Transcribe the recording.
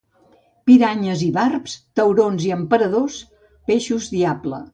Piranyes i barbs, taurons i emperadors, peixos diable.